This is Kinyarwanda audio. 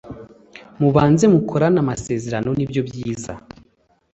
mu banze mukorane amasezerano nibyo byiza